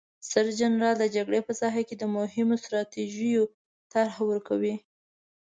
ستر جنرال د جګړې په ساحه کې د مهمو ستراتیژیو طرحه ورکوي.